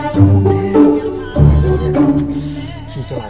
เฮ้ยไฟได้นานจังนะเนี่ย